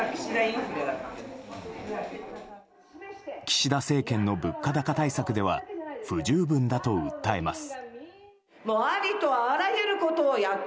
岸田政権の物価高対策では不十分だと訴えます。